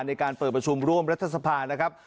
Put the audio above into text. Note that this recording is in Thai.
ในการเปิดประชุมร่วมรัฐสภานะครับ